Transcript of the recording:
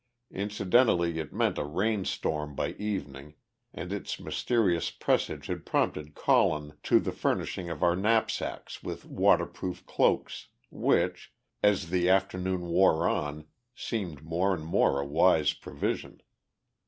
Incidentally it meant a rain storm by evening, and its mysterious presage had prompted Colin to the furnishing of our knapsacks with water proof cloaks, which, as the afternoon wore on, seemed more and more a wise provision.